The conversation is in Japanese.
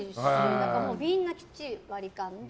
だから、みんなきっちり割り勘で。